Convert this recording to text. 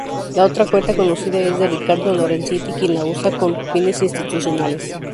La otra cuenta conocida es de Ricardo Lorenzetti, quien la usa con fines institucionales.